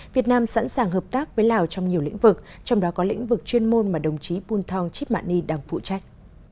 việt nam sẵn sàng hợp tác với lào trong nhiều lĩnh vực trong đó có lĩnh vực chuyên môn mà đồng chí bun thong chip mạng ni đang phụ trách